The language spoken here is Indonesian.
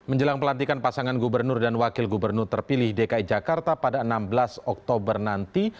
menjelang pelantikan pasangan gubernur dan wakil gubernur terpilih dki jakarta pada enam belas oktober nanti